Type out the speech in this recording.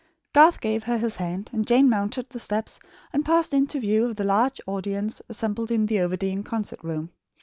Garth gave her his hand, and Jane mounted the steps and passed into view of the large audience assembled in the Overdene concert room.